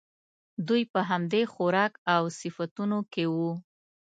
دوی په همدې خوراک او صفتونو کې وو.